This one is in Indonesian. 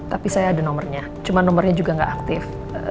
tapi saya ada nomernya cuma nomernya juga nggak aktif